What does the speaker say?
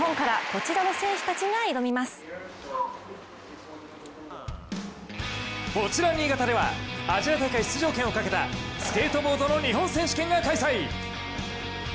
こちら新潟では、アジア大会出場権をかけたスケートボードの日本選手権が開催。